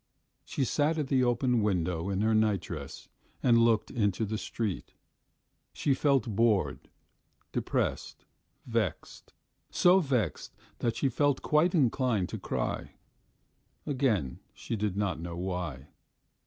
She sat at the open window in her nightdress and looked into the street. She felt bored, depressed, vexed ... so vexed that she felt quite inclined to cry again she did not know why.